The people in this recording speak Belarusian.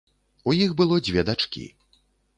У іх было дзве дачкі.